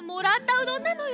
うどんなのよ。